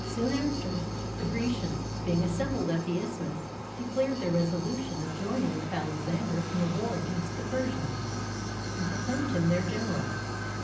Soon after, the Grecians, being assembled at the Isth mus, declared their resolution of joining with Alexander in the war against the Persians, and proclaimed him their general.